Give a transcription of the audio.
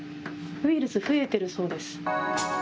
ウイルス増えているそうです。